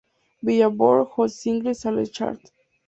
Billboard Hot Singles Sales charts.